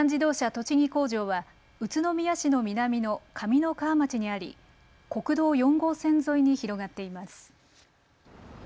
栃木工場は宇都宮市の南の上三川町にあり国道４号線沿いに広がっています。